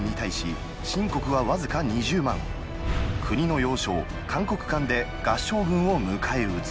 国の要衝「函谷関」で合従軍を迎え撃つ。